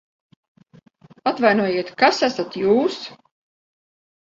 Atvainojiet, kas esat jūs?